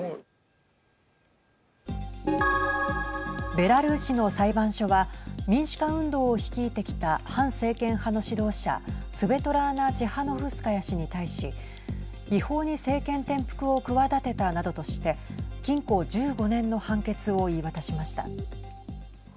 ベラルーシの裁判所は民主化運動を率いてきた反政権派の指導者スベトラーナ・チハノフスカヤ氏に対し違法に政権転覆を企てたなどとして禁錮１５年の判決を言い渡しました。